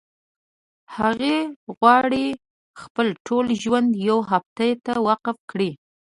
هغه غواړي خپل ټول ژوند يو هدف ته وقف کړي.